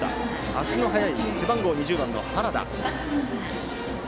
足の速い背番号２０番、原田。